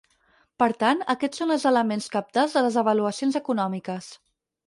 Per tant, aquests són els elements cabdals de les avaluacions econòmiques.